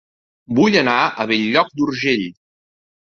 Vull anar a Bell-lloc d'Urgell